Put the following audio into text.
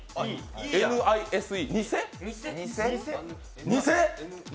ＮＩＳＥ？